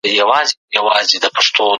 لېري زده کړه د انټرنېټ په کیفیت پورې تړلې وي.